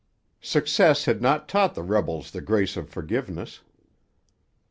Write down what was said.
Success had not taught the rebels the grace of forgiveness.